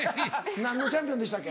何のチャンピオンでしたっけ？